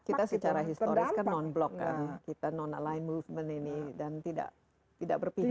kita secara historis kan non block kan kita non aligne movement ini dan tidak berpihak